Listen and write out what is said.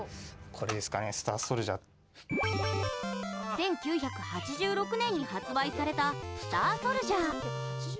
１９８６年に発売された「スターソルジャー」。